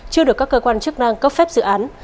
chưa được các cơ quan chức năng cấp phép dự án